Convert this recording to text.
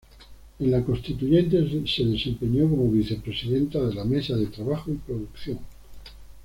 En la Constituyente se desempeñó como vicepresidenta de la mesa de Trabajo y producción.